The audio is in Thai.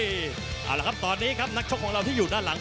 เอาละครับตอนนี้ครับนักชกของเราที่อยู่ด้านหลัง